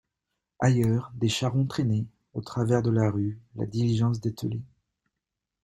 Ailleurs, des charrons traînaient, au travers de la rue, la diligence dételée.